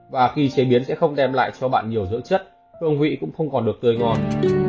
và khi chế biến sẽ không đem lại cho bạn nhiều dưỡng chất ông hủy cũng không còn được tươi ngon